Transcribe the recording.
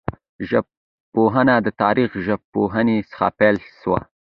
ژبپوهنه د تاریخي ژبپوهني څخه پیل سوه.